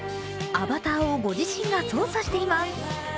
アバターをご自身が操作しています。